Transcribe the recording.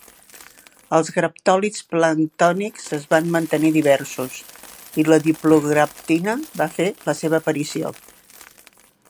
Els graptòlits planctònics es van mantenir diversos, i la Diplograptina va fer la seva aparició.